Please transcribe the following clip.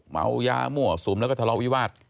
เมายามั่วสุมแล้วก็ทะเลาะวิวาส